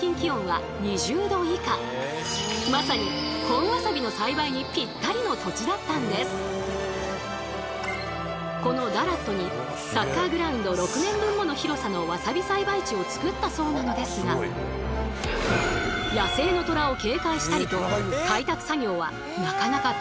このメーカーが目をつけたのはまさにこのダラットにサッカーグラウンド６面分もの広さのわさび栽培地をつくったそうなのですが野生の虎を警戒したりと開拓作業はなかなか大変だったんだとか。